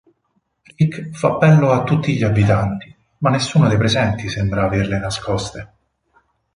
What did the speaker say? Rick fa appello a tutti gli abitanti, ma nessuno dei presenti sembra averle nascoste.